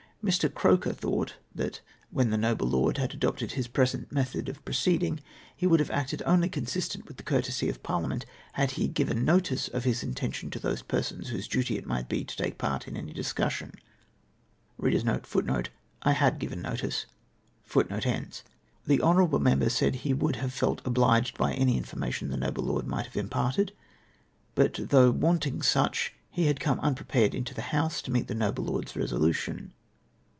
"Me. Ceoker thought that, when the noble lord had adopted his present method of proceeding, he woidd have acted only consistent with the courtesy of Parliament had he given notice * of his intention to those persons whose duty it might be to take part in any discussion. The honourable member said he would have felt obliged by any information the noble lord might have imparted ; but tliough wanting such, he had come unprepared into the House to meet the noble lord's resolution.